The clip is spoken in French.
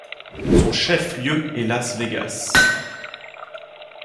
Son chef-lieu est Las Vegas.